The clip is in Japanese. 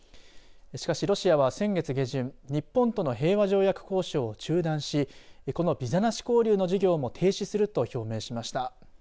しかしロシアは先月下旬日本との平和条約交渉を中断しこのビザなし交流の事業も停止すると表明しました。